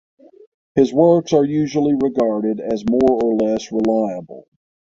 His works are usually regarded as more or less reliable.